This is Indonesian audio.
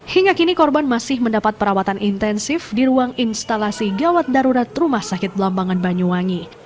hingga kini korban masih mendapat perawatan intensif di ruang instalasi gawat darurat rumah sakit belambangan banyuwangi